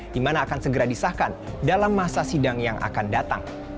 di mana akan segera disahkan dalam masa sidang yang akan datang